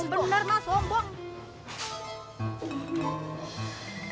bener mah sombong